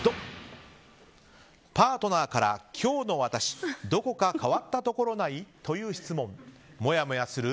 パートナーから今日の私、どこか変わったところない？という質問もやもやする？